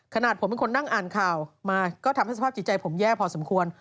ขนาดผมเป็นคนนั่งอ่านข่าวมาก็ทำให้สภาพจิตใจผมแย่พอสมควร